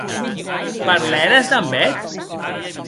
Parlères damb eth?